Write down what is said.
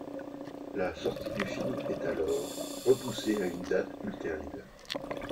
La sortie du film est alors repoussée à une date ultérieure.